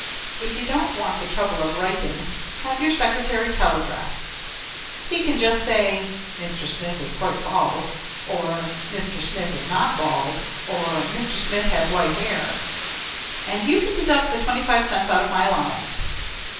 If you don't want the trouble of writing, have your secretary telegraph. He can just say: Mr. Smith is quite bald, or Mr. Smith is not bald, or Mr. Smith has white hair. And you can deduct the twenty five cents out of my allowance.